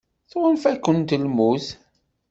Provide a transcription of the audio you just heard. Tɣunfa-kem lmut.